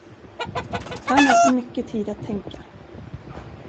Han har för mycket tid att tänka.